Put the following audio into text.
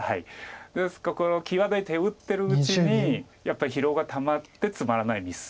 ですから際どい手打ってるうちにやっぱり疲労がたまってつまらないミスする。